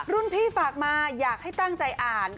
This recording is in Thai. พี่ฝากมาอยากให้ตั้งใจอ่าน